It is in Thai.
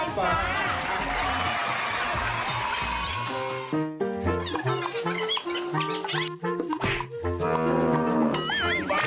สวัสดีครับมาเจอกับแฟแล้วนะครับ